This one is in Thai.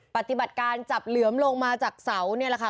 ปฏิบัติการจับเหลือมลงมาจากเสานี่แหละค่ะ